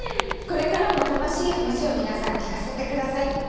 「これからも楽しい話を皆さん聞かせてください」